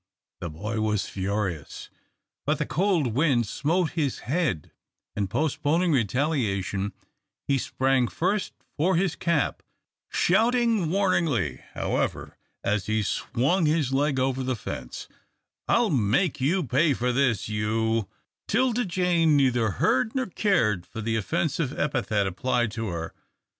The boy was furious, but the cold wind smote his head, and, postponing retaliation, he sprang first for his cap, shouting warningly, however, as he swung his leg over the fence, "I'll make you pay up for this, you " 'Tilda Jane neither heard nor cared for the offensive epithet applied to her.